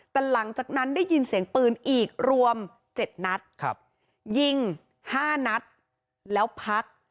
แต่หลังจากนั้นได้ยินเสียงปืนอีกรวม๗นัดยิง๕นัดแล้วพัก